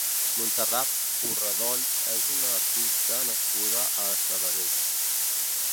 Montserrat Porredón és una artista nascuda a Sabadell.